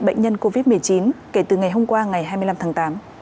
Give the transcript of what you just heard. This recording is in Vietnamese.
bệnh nhân covid một mươi chín kể từ ngày hôm qua ngày hai mươi năm tháng tám